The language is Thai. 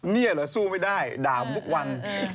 เนี่ยเหรอสู้ไม่ได้ด่าผมทุกวัน